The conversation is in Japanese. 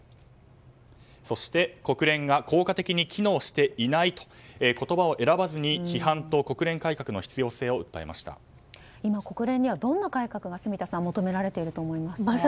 そして、国連が効果的に機能していないと言葉を選ばずに批判と国連改革の必要性を今、国連にはどんな改革が住田さん求められていると思いますか。